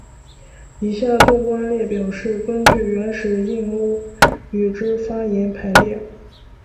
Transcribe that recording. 以下纵观列表是根据原始印欧语之发音排列。